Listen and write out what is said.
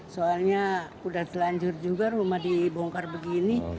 soalnya udah telanjur juga rumah dibongkar begini